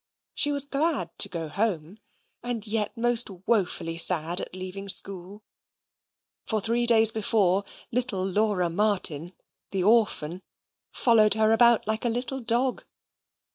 She was glad to go home, and yet most woefully sad at leaving school. For three days before, little Laura Martin, the orphan, followed her about like a little dog.